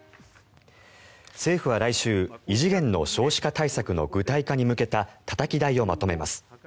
政府は来週異次元の少子化対策の具体化に向けたたたき台をまとめます。